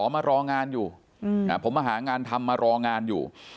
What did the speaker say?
มารองานอยู่ผมมาหางานทำมารองานอยู่